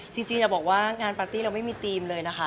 จริงอย่าบอกว่างานปาร์ตี้เราไม่มีธีมเลยนะคะ